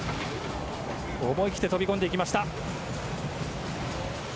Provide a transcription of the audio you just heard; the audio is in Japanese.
思い切って飛び込んでいきました。